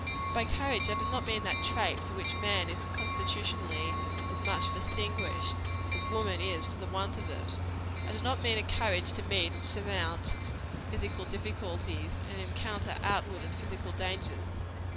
By courage I do not mean that trait for which man is constitutionally as much distinguished, as woman is for the want of it I mean not a courage to meet and surmount physical difficulties, and encounter outward and physical dangers.